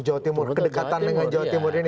jawa timur kedekatan dengan jawa timur ini